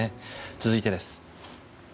続いてです。